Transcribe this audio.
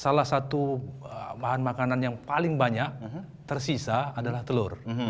salah satu bahan makanan yang paling banyak tersisa adalah telur